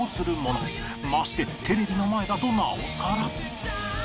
ましてテレビの前だとなおさら